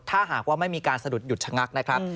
ถ้าหากว่าไม่มีการสะดุดหยุดชะงักนะครับ